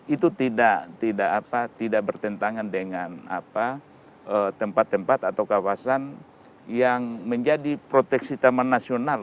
itu tidak bertentangan dengan tempat tempat atau kawasan yang menjadi proteksi taman nasional